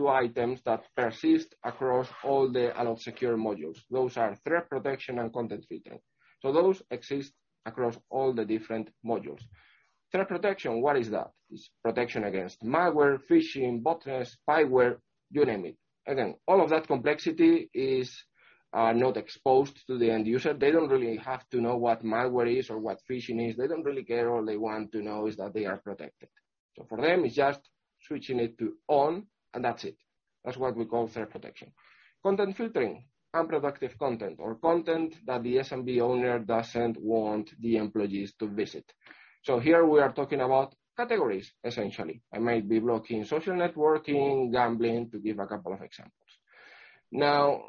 items that persist across all the Allot Secure modules. Those are threat protection and content filtering. Those exist across all the different modules. Threat protection, what is that? It's protection against malware, phishing, botnets, spyware, you name it. Again, all of that complexity is not exposed to the end user. They don't really have to know what malware is or what phishing is. They don't really care. All they want to know is that they are protected. For them, it's just switching it to on, and that's it. That's what we call threat protection. Content filtering, unproductive content or content that the SMB owner doesn't want the employees to visit. Here we are talking about categories, essentially. I might be blocking social networking, gambling, to give a couple of examples. Now,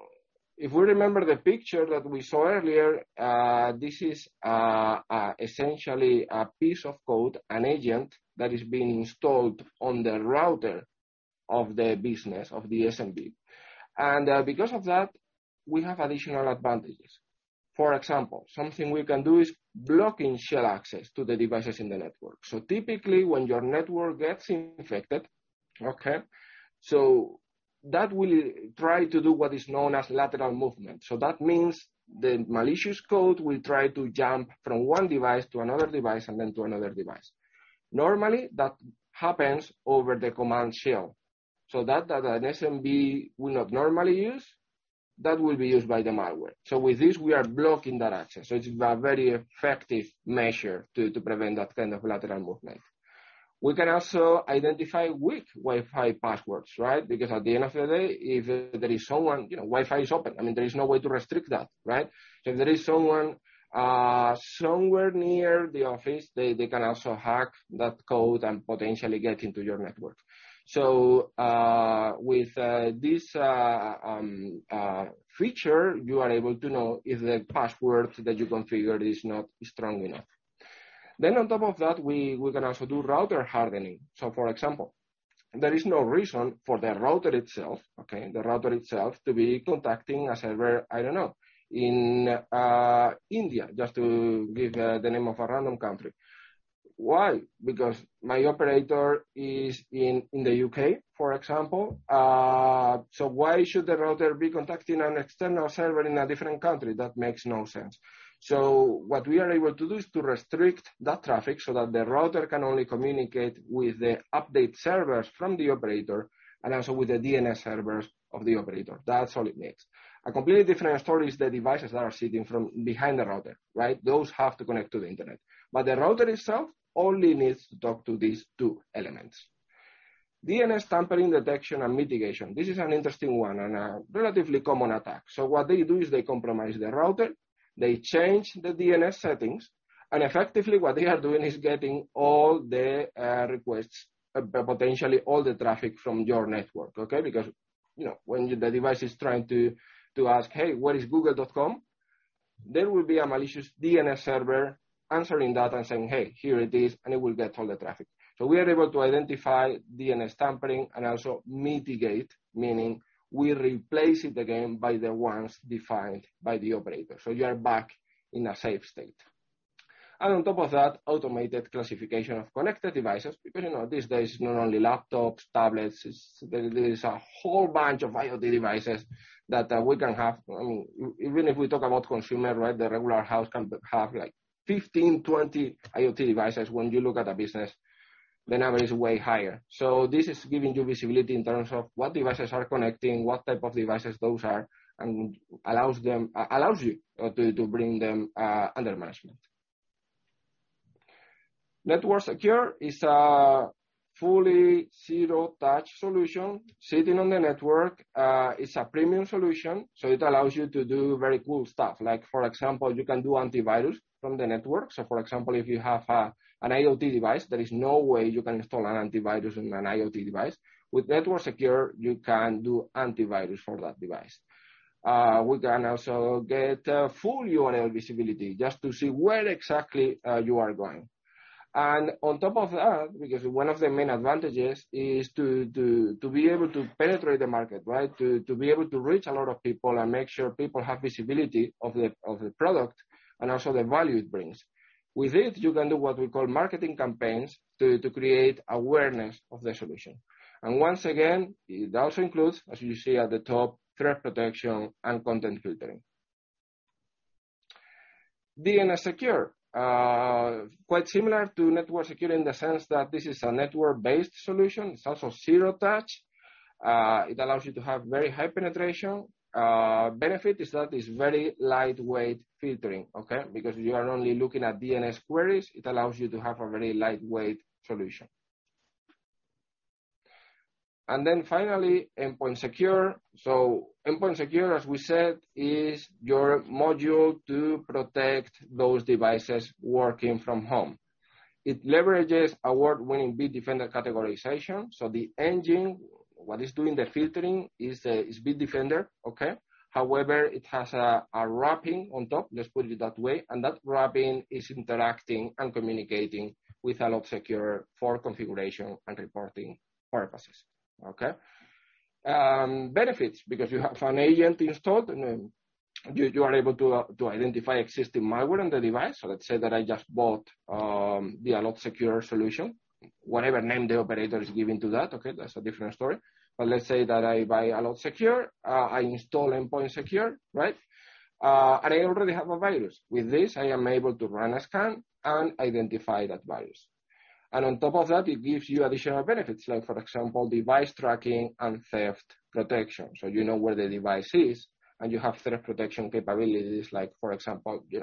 if we remember the picture that we saw earlier, this is essentially a piece of code, an agent that is being installed on the router of the business of the SMB. Because of that, we have additional advantages. For example, something we can do is blocking shell access to the devices in the network. Typically when your network gets infected, that will try to do what is known as lateral movement. That means the malicious code will try to jump from one device to another device and then to another device. Normally, that happens over the command shell. That an SMB will not normally use, that will be used by the malware. With this, we are blocking that access. It's a very effective measure to prevent that kind of lateral movement. We can also identify weak Wi-Fi passwords, right? Because at the end of the day, if there is someone, you know, Wi-Fi is open, I mean, there is no way to restrict that, right? If there is someone somewhere near the office, they can also hack that code and potentially get into your network. With this feature, you are able to know if the password that you configured is not strong enough. On top of that, we can also do router hardening. For example, there is no reason for the router itself to be contacting a server, I don't know, in India, just to give the name of a random country. Why? Because my operator is in the U.K., for example. Why should the router be contacting an external server in a different country? That makes no sense. What we are able to do is to restrict that traffic so that the router can only communicate with the update servers from the operator and also with the DNS servers of the operator. That's all it needs. A completely different story is the devices that are sitting behind the router, right? Those have to connect to the Internet. The router itself only needs to talk to these two elements. DNS tampering, detection, and mitigation. This is an interesting one and a relatively common attack. What they do is they compromise the router, they change the DNS settings, and effectively what they are doing is getting all the requests, potentially all the traffic from your network, okay? Because, you know, when the device is trying to ask, "Hey, what is google.com?" There will be a malicious DNS server answering that and saying, "Hey, here it is," and it will get all the traffic. We are able to identify DNS tampering and also mitigate, meaning we replace it again by the ones defined by the operator. You are back in a safe state. On top of that, automated classification of connected devices. Because, you know, these days it's not only laptops, tablets, it's there is a whole bunch of IoT devices that we can have. I mean, even if we talk about consumer, right? The regular house can have, like, 15, 20 IoT devices. When you look at a business, the number is way higher. This is giving you visibility in terms of what devices are connecting, what type of devices those are, and allows you to bring them under management. NetworkSecure is a fully zero-touch solution sitting on the network. It's a premium solution, so it allows you to do very cool stuff. Like for example, you can do antivirus from the network. For example, if you have an IoT device, there is no way you can install an antivirus in an IoT device. With NetworkSecure, you can do antivirus for that device. We can also get full URL visibility just to see where exactly you are going. On top of that, because one of the main advantages is to be able to penetrate the market, right? To be able to reach a lot of people and make sure people have visibility of the product and also the value it brings. With it, you can do what we call marketing campaigns to create awareness of the solution. And once again, it also includes, as you see at the top, threat protection and content filtering. DNS Secure. Quite similar to NetworkSecure in the sense that this is a network-based solution. It's also zero-touch. It allows you to have very high penetration. Benefit is that it's very lightweight filtering, okay? Because you are only looking at DNS queries, it allows you to have a very lightweight solution. And then finally, EndpointSecure. EndpointSecure, as we said, is your module to protect those devices working from home. It leverages award-winning Bitdefender categorization. The engine, what is doing the filtering is Bitdefender, okay? However, it has a wrapping on top, let's put it that way. That wrapping is interacting and communicating with Allot Secure for configuration and reporting purposes, okay? Benefits, because you have an agent installed and you are able to identify existing malware on the device. Let's say that I just bought the Allot Secure solution, whatever name the operator is giving to that, okay? That's a different story. But let's say that I buy Allot Secure, I install EndpointSecure, right? And I already have a virus. With this, I am able to run a scan and identify that virus. On top of that, it gives you additional benefits, like for example, device tracking and theft protection. You know where the device is and you have threat protection capabilities like for example, you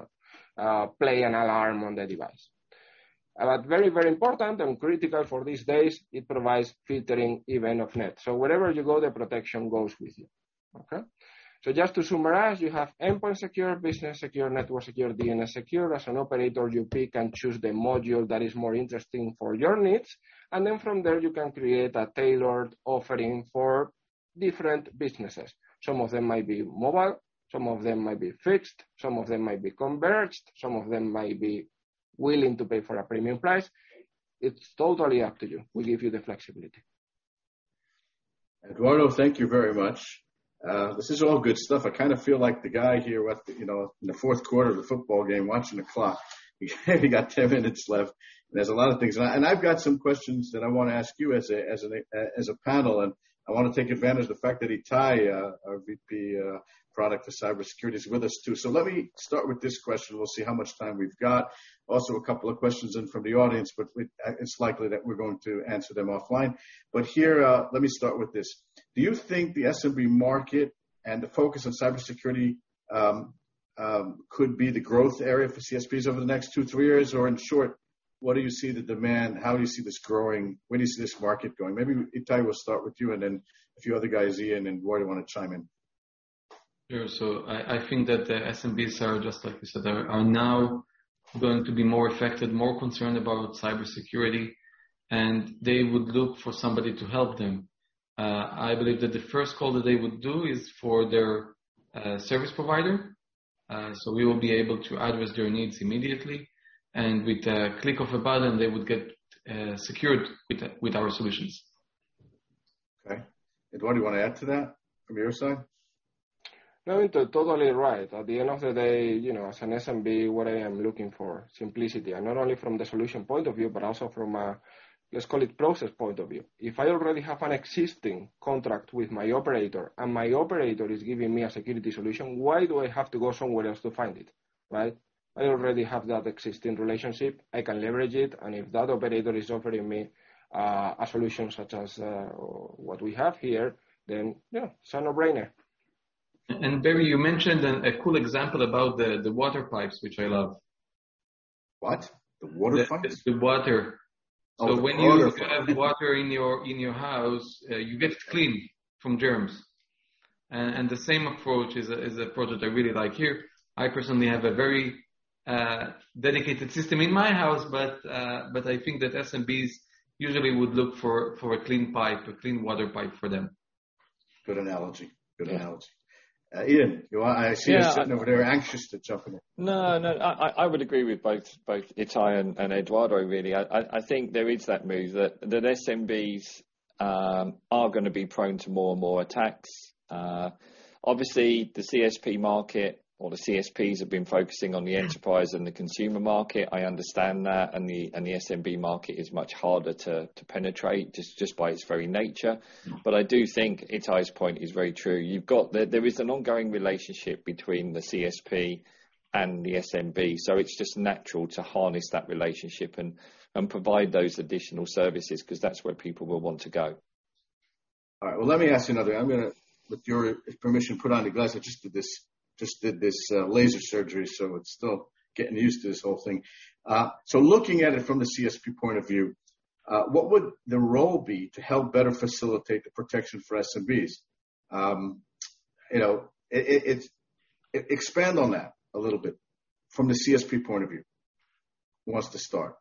know, play an alarm on the device. But very, very important and critical for these days, it provides filtering even off-net. Wherever you go, the protection goes with you, okay? Just to summarize, you have EndpointSecure, BusinessSecure, NetworkSecure, DNS Secure. As an operator, you pick and choose the module that is more interesting for your needs. Then from there you can create a tailored offering for different businesses. Some of them might be mobile, some of them might be fixed, some of them might be converged, some of them might be willing to pay for a premium price. It's totally up to you. We give you the flexibility. Eduardo, thank you very much. This is all good stuff. I kinda feel like the guy here with, you know, in the fourth quarter of the football game, watching the clock. He got 10 minutes left, and there's a lot of things. I've got some questions that I wanna ask you as a panel, and I wanna take advantage of the fact that Itay, our VP, product for cybersecurity is with us too. Let me start with this question. We'll see how much time we've got. Also, a couple of questions in from the audience, it's likely that we're going to answer them offline. Here, let me start with this. Do you think the SMB market and the focus on cybersecurity could be the growth area for CSPs over the next 2-3 years? Or in short, what do you see the demand? How do you see this growing? Where do you see this market going? Maybe Itay we'll start with you and then a few other guys, Ian, and Eduardo wanna chime in. Yeah. I think that the SMBs are just like you said, are now going to be more affected, more concerned about cybersecurity, and they would look for somebody to help them. I believe that the first call that they would do is for their service provider. We will be able to address their needs immediately. With a click of a button, they would get secured with our solutions. Okay. Eduardo, you wanna add to that from your side? No, Itay, totally right. At the end of the day, you know, as an SMB, what I am looking for, simplicity. Not only from the solution point of view, but also from a, let's call it, process point of view. If I already have an existing contract with my operator and my operator is giving me a security solution, why do I have to go somewhere else to find it, right? I already have that existing relationship. I can leverage it, and if that operator is offering me a solution such as what we have here, then, yeah, it's a no-brainer. Barry, you mentioned a cool example about the water pipes, which I love. What? The water pipes? The water. Oh, the water pipes. When you have water in your house, you get clean from germs. The same approach is a product I really like here. I personally have a very dedicated system in my house, but I think that SMBs usually would look for a clean pipe, a clean water pipe for them. Good analogy. Yeah. I see you sitting over there anxious to jump in. No, I would agree with both Itay and Eduardo, really. I think there is that move that SMBs are gonna be prone to more and more attacks. Obviously, the CSP market or the CSPs have been focusing on the enterprise and the consumer market. I understand that, and the SMB market is much harder to penetrate just by its very nature. Mm-hmm. I do think Itay's point is very true. There is an ongoing relationship between the CSP and the SMB, so it's just natural to harness that relationship and provide those additional services 'cause that's where people will want to go. All right. Well, let me ask you another. I'm gonna, with your permission, put on the glasses. I just did this laser surgery, so it's still getting used to this whole thing. So looking at it from the CSP point of view, what would the role be to help better facilitate the protection for SMBs? You know, expand on that a little bit from the CSP point of view. Who wants to start?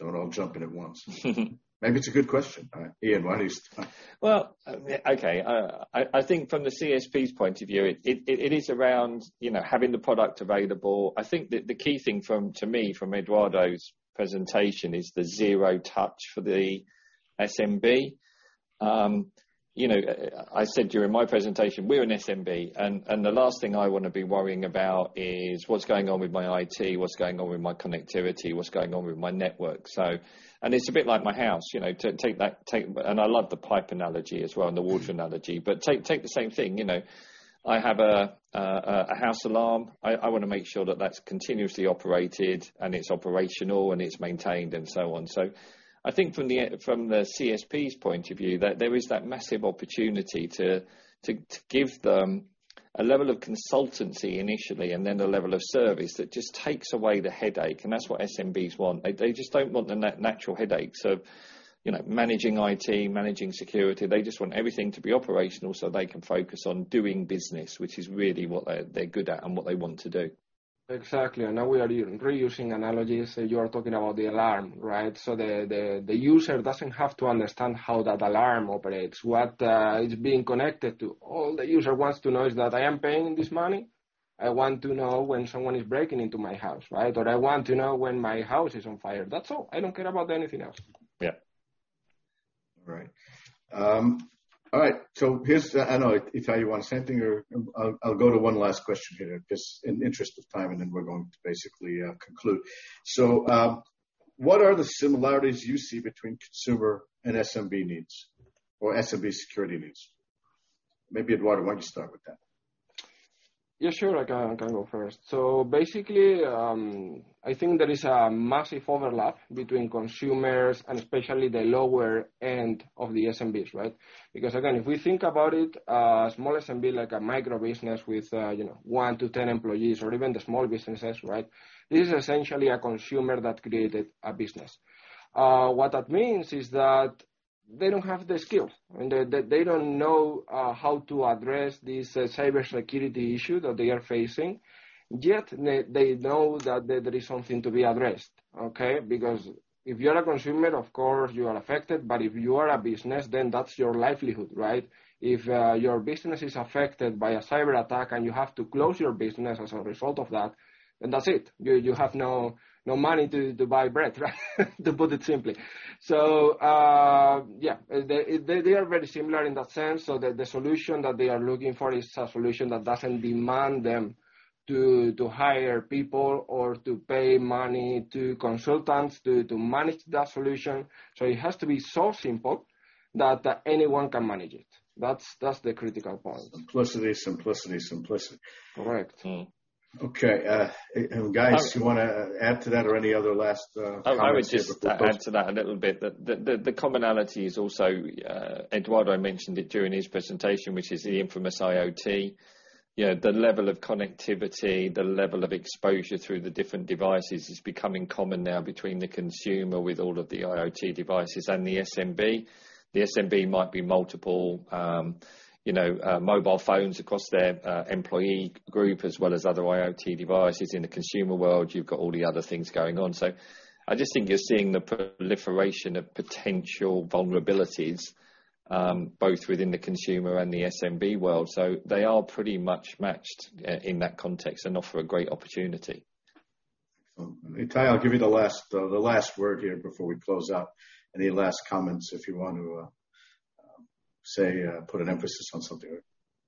Don't all jump in at once. Maybe it's a good question. All right, Ian Parkes, why don't you start? Well, okay. I think from the CSP's point of view, it is around, you know, having the product available. I think that the key thing to me, from Eduardo's presentation is the zero touch for the SMB. You know, I said during my presentation, we're an SMB, and the last thing I wanna be worrying about is what's going on with my IT, what's going on with my connectivity, what's going on with my network. It's a bit like my house, you know, to take that. I love the pipe analogy as well and the water analogy. Take the same thing, you know. I have a house alarm. I wanna make sure that that's continuously operated and it's operational and it's maintained and so on. I think from the CSP's point of view, that there is that massive opportunity to give them a level of consultancy initially and then a level of service that just takes away the headache, and that's what SMBs want. They just don't want the natural headache. You know, managing IT, managing security, they just want everything to be operational, so they can focus on doing business, which is really what they're good at and what they want to do. Exactly. Now we are using analogies. You are talking about the alarm, right? The user doesn't have to understand how that alarm operates, what it's being connected to. All the user wants to know is that I am paying this money. I want to know when someone is breaking into my house, right? Or I want to know when my house is on fire. That's all. I don't care about anything else. Yeah. All right. All right. I know, Itay, you want the same thing or I'll go to one last question here, just in interest of time, and then we're going to basically conclude. What are the similarities you see between consumer and SMB needs or SMB security needs? Maybe, Eduardo, why don't you start with that? Yeah, sure. I can go first. Basically, I think there is a massive overlap between consumers and especially the lower end of the SMBs, right? Because again, if we think about it, small SMB like a micro business with, you know, 1 to 10 employees or even the small businesses, right? This is essentially a consumer that created a business. What that means is that they don't have the skill and they don't know how to address these cybersecurity issues that they are facing. Yet they know that there is something to be addressed, okay? Because if you're a consumer, of course you are affected, but if you are a business, then that's your livelihood, right? If your business is affected by a cyberattack and you have to close your business as a result of that, then that's it. You have no money to buy bread, right? To put it simply. They are very similar in that sense, so the solution that they are looking for is a solution that doesn't demand them to hire people or to pay money to consultants to manage that solution. It has to be so simple that anyone can manage it. That's the critical part. Simplicity, simplicity. Correct. Okay, guys, you wanna add to that or any other last comments before? I would just add to that a little bit. The commonality is also, Eduardo mentioned it during his presentation, which is the infamous IoT. You know, the level of connectivity, the level of exposure through the different devices is becoming common now between the consumer with all of the IoT devices and the SMB. The SMB might be multiple, you know, mobile phones across their employee group, as well as other IoT devices. In the consumer world, you've got all the other things going on. I just think you're seeing the proliferation of potential vulnerabilities, both within the consumer and the SMB world. They are pretty much matched in that context and offer a great opportunity. Excellent. Itay, I'll give you the last word here before we close out. Any last comments if you want to say, put an emphasis on something?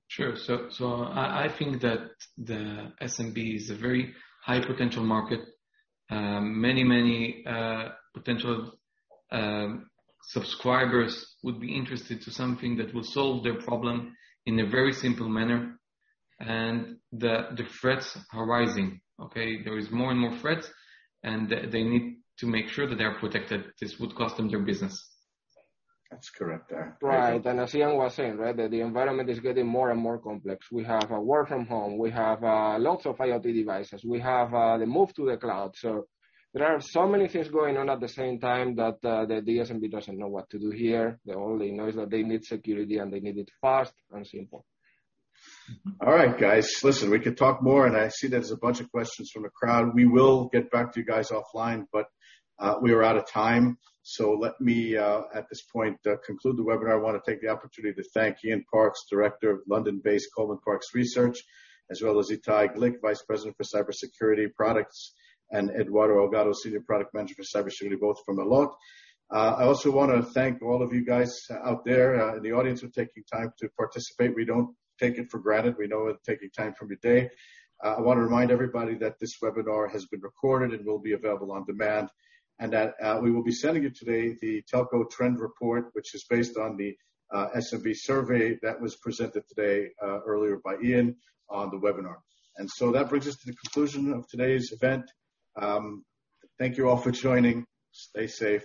Sure. I think that the SMB is a very high potential market. Many potential subscribers would be interested to something that will solve their problem in a very simple manner. The threats are rising, okay? There is more and more threats, and they need to make sure that they are protected. This would cost them their business. That's correct, yeah. Right. As Ian was saying, right, that the environment is getting more and more complex. We have work from home, lots of IoT devices, the move to the cloud. There are so many things going on at the same time that the SMB doesn't know what to do here. They only know that they need security, and they need it fast and simple. All right, guys. Listen, we could talk more, and I see there's a bunch of questions from the crowd. We will get back to you guys offline, but we are out of time. Let me at this point conclude the webinar. I wanna take the opportunity to thank Ian Parkes, Director of London-based Coleman Parkes Research, as well as Itay Glick, Vice President for Cybersecurity Products, and Eduardo Holgado, Senior Product Manager for Cybersecurity, both from Allot. I also wanna thank all of you guys out there in the audience for taking time to participate. We don't take it for granted. We know it's taking time from your day. I wanna remind everybody that this webinar has been recorded and will be available on demand. That we will be sending you today the Telco Trend Report, which is based on the SMB survey that was presented today, earlier by Ian on the webinar. That brings us to the conclusion of today's event. Thank you all for joining. Stay safe.